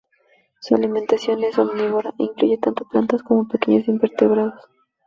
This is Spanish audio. Su alimentación es omnívora, incluyendo tanto plantas como pequeños invertebrados.